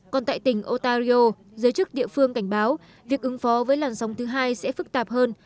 còn tại tỉnh ottario giới chức địa phương cảnh báo việc ứng phó với làn sóng thứ hai sẽ phức tạp hơn